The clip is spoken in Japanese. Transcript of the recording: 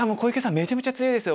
めちゃめちゃ強いですよ。